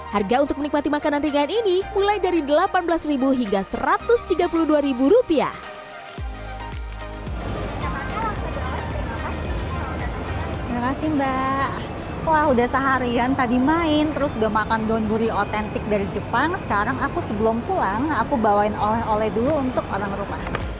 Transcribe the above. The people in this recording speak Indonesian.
harga untuk menikmati makanan ringan ini mulai dari rp delapan belas hingga rp satu ratus tiga puluh dua